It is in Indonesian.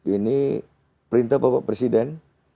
ini perintah bapak presiden